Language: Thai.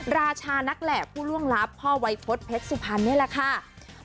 ราชานักแหล่ผู้ล่วงลับพ่อวัยพฤษเพชรสุพรรณนี่แหละค่ะ